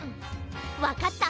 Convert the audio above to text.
わかった。